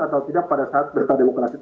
atau tidak pada saat berita demokrasi